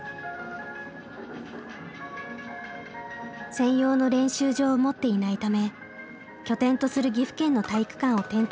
専用の練習場を持っていないため拠点とする岐阜県の体育館を転々としていました。